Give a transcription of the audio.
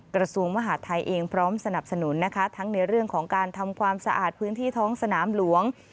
กระทรวงมหาดไทยเองพร้อมสนับสนุนนะคะทั้งในเรื่องของการทำความสะอาดพื้นที่ท้องสนามหลวง